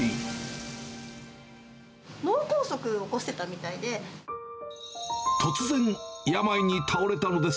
脳梗塞を起こしてたみたいで。